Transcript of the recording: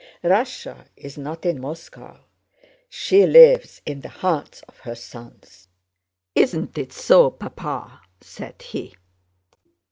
"'Russia is not in Moscow, she lives in the hearts of her sons!' Isn't it so, Papa?" said he.